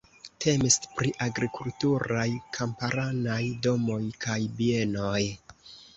Temis pri agrikulturaj kamparanaj domoj kaj bienoj.